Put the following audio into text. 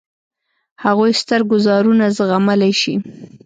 هغوی ستر ګوزارونه زغملای شي.